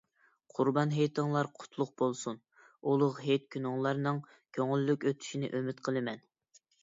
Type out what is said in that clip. قۇربان ھېيتىڭلار قۇتلۇق بولسۇن! ئۇلۇغ ھېيت كۈنلىرىڭلارنىڭ كۆڭۈللۈك ئۆتۈشىنى ئۈمىد قىلىمەن.